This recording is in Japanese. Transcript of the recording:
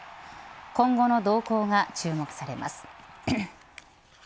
今後の動向が注目されます。